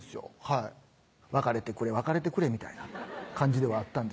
「別れてくれ別れてくれ」みたいな感じではあったんです